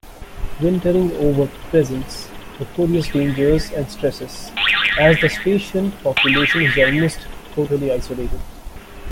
Wintering-over presents notorious dangers and stresses, as the station population is almost totally isolated.